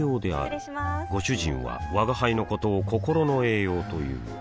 失礼しまーすご主人は吾輩のことを心の栄養という